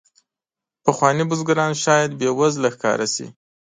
پخواني بزګران شاید بې وزله ښکاره شي.